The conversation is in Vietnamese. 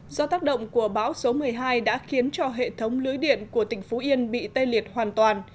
do tác động của bão số một mươi hai đã khiến cho hệ thống lưới điện của tỉnh phú yên bị tê liệt hoàn toàn